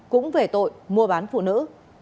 cũng về tội mua bán phụ nữ